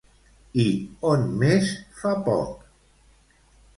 I on més, fa poc?